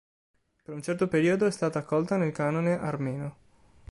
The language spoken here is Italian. Per un certo periodo è stata accolta nel canone armeno.